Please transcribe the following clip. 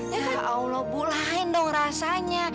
ya allah bu lahin dong rasanya